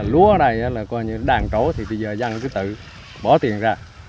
lúa ở đây là coi như đàn trố thì bây giờ dân cứ tự bỏ tiền ra